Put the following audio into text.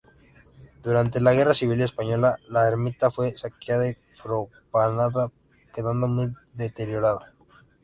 Durante la Guerra Civil Española la ermita fue saqueada y profanada, quedando muy deteriorada.